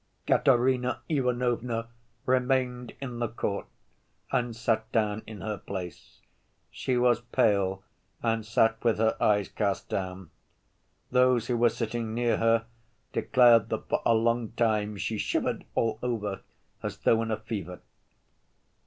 Katerina Ivanovna remained in the court and sat down in her place. She was pale and sat with her eyes cast down. Those who were sitting near her declared that for a long time she shivered all over as though in a fever.